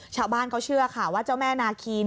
ชาวบ้านเขาเชื่อค่ะว่าเจ้าแม่นาคี